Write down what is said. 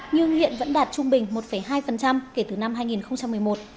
nhưng hiện vẫn đạt trung bình một hai kể từ năm hai nghìn một mươi một